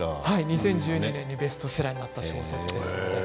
２０１２年にベストセラーになった作品です。